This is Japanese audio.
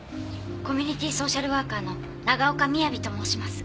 コミュニティーソーシャルワーカーの長岡雅と申します。